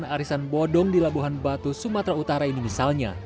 arisan bodong di labuhan batu sumatera utara ini misalnya